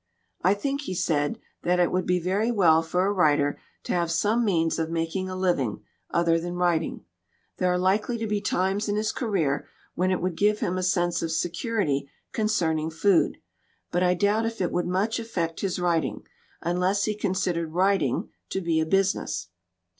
"I think," he said, "that it would be very well for a writer to have some means of making a living other than writing. There are likely to be times in his career when it would give him a sense of security concerning food. But I doubt if it would much affect his writing, unless he con sidered writing to be a business."